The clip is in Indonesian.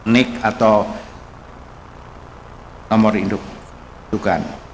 nik atau nomor induk